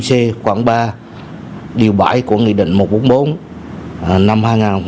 công an phường đã xử lý khoảng ba điều bãi của nghị định một trăm bốn mươi bốn năm hai nghìn hai mươi một